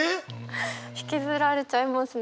引きずられちゃいますね。